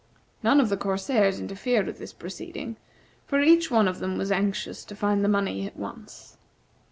None of the corsairs interfered with this proceeding, for each one of them was anxious to find the money at once.